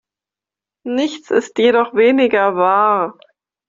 Nichts ist jedoch weniger wahr.